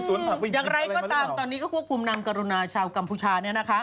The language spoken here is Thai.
จำนั้นอย่างไรก็ตามตอนนี้ก็ควบคุมนางกรณาชาวกัมพูชาเนี้ยนะคะ